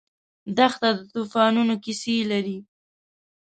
دښته د توفانونو کیسې لري.